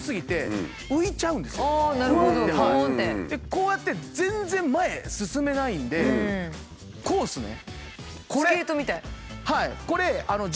こうやって全然前へ進めないんでこうですね。